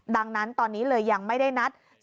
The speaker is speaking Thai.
ดังนั้นตอนนี้เลยยังไม่ได้นัด